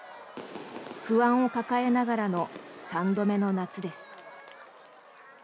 不安を抱えながらの３度目の夏です。